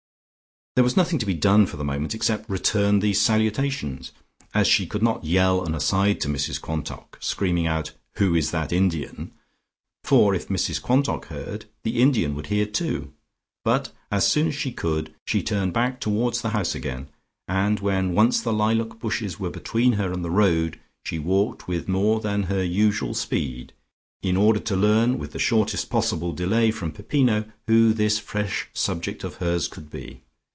There was nothing to be done for the moment except return these salutations, as she could not yell an aside to Mrs Quantock, screaming out "Who is that Indian"? for if Mrs Quantock heard the Indian would hear too, but as soon as she could, she turned back towards the house again, and when once the lilac bushes were between her and the road she walked with more than her usual speed, in order to learn with the shortest possible delay from Peppino who this fresh subject of hers could be.